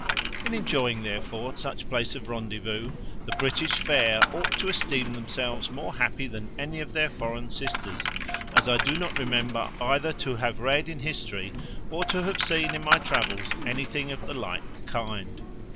In enjoying, therefore, such place of rendezvous, the British fair ought to esteem themselves more happy than any of their foreign sisters; as I do not remember either to have read in history, or to have seen in my travels, anything of the like kind.